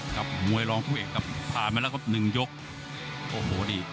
กับมวยร้องผู้เอกกับผ่านไปแล้วก็๑ยกโอ้โหดี